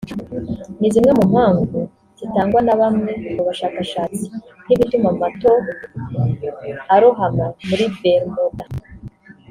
ni zimwe mu mpamvu zitangwa na bamwe mu bashakashatsi nk'ibituma amato arohama muri Bermuda